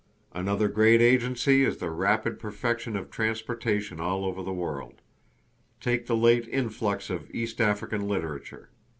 Another great agency is the rapid perfection of transportation all over the world. Take the late influx of East African literature.